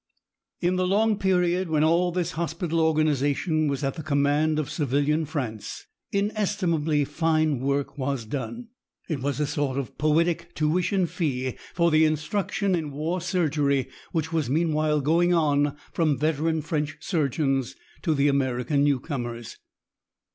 In the long period when all this hospital organization was at the command of civilian France, inestimably fine work was done. It was a sort of poetic tuition fee for the instruction in war surgery which was meanwhile going on from veteran French surgeons to the American newcomers.